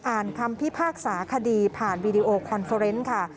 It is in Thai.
อ่านคำพิพากษาคดีผ่านวีดีโอคอนเฟอร์เนส์ค่ะ